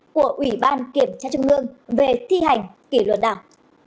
của ủy ban kiểm tra trung ương về thi hành kỷ luật đảng